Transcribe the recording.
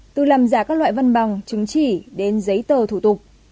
từ làm giả các loại văn bằng chứng chỉ đến giấy tờ thủ tục